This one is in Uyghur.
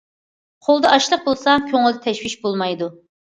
قولدا ئاشلىق بولسا، كۆڭۈلدە تەشۋىش بولمايدۇ.